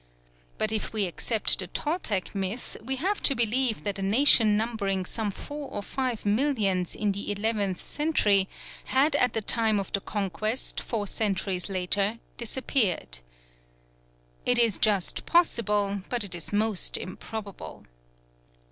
But if we accept the Toltec myth, we have to believe that a nation numbering some four or five millions in the eleventh century had at the time of the Conquest, four centuries later, disappeared. It is just possible, but it is most improbable.